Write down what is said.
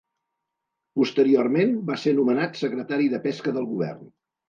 Posteriorment, va ser nomenat Secretari de Pesca del govern.